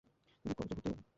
তিনি কলেজে ভর্তি হন।